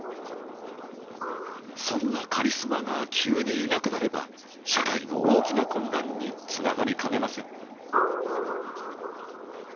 そんなカリスマが急にいなくなれば社会の大きな混乱につながりかねません